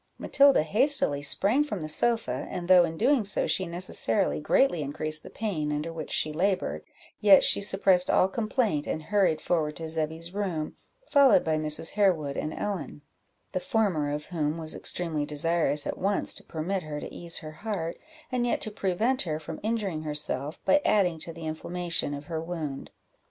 Matilda hastily sprang from the sofa, and though in doing so she necessarily greatly increased the pain under which she laboured, yet she suppressed all complaint, and hurried forward to Zebby's room, followed by Mrs. Harewood and Ellen; the former of whom was extremely desirous at once to permit her to ease her heart, and yet to prevent her from injuring herself, by adding to the inflammation of her wound.